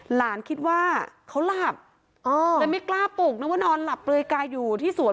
หลานคิดว่าเขาหลับเลยไม่กล้าปลูกนึกว่านอนหลับเปลือยกายอยู่ที่สวน